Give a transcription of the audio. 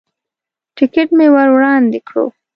ټکټ مې ور وړاندې کړو.